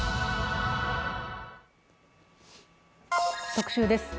特集です。